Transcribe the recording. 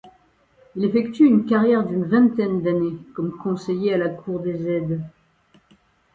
Il effectue une carrière d'une vingtaine d'années comme conseiller à la cour des aides.